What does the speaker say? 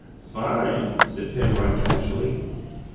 "Fine!" said Penrod casually.